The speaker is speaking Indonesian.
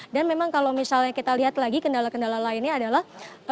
dan memang kalau misalnya kita lihat lagi kendala kendala lainnya adalah